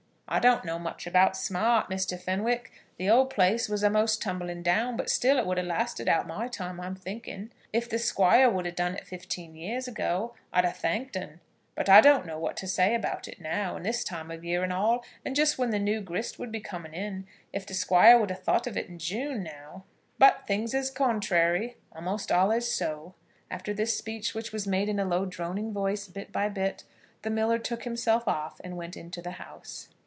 "I don't know much about smart, Muster Fenwick. The old place was a'most tumbling down, but still it would have lasted out my time, I'm thinking. If t' Squire would 'a done it fifteen years ago, I'd 'a thanked un; but I don't know what to say about it now, and this time of year and all, just when the new grist would be coming in. If t' Squire would 'a thought of it in June, now. But things is contrary a'most allays so." After this speech, which was made in a low, droning voice, bit by bit, the miller took himself off and went into the house.